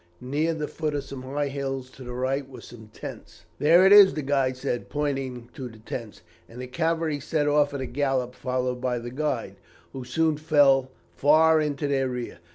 Near the foot of some high hills to the right were some tents. "'There it is,' the guide said, pointing to the tents. And the cavalry set off at a gallop, followed by the guide, who soon fell far into their rear.